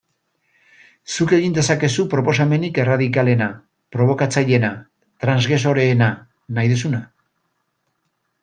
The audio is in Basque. Zuk egin dezakezu proposamenik erradikalena, probokatzaileena, transgresoreena, nahi duzuna...